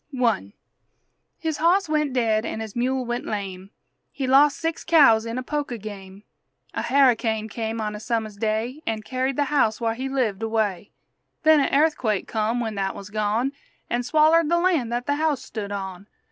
I His hoss went dead an' his mule went lame; He lost six cows in a poker game; A harricane came on a summer's day, An' carried the house whar' he lived away; Then a airthquake come when that wuz gone, An' swallered the lan' that the house stood on!